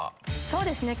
そうですね。